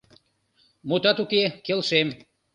— Мутат уке, келшем.